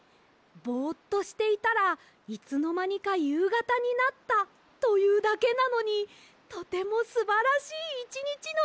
ぼっとしていたらいつのまにかゆうがたになったというだけなのにとてもすばらしいいちにちのようなきがしました！